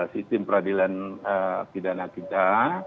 sistem peradilan tindana kita